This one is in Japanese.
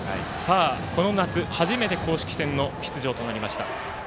この夏、初めて公式戦の出場となりました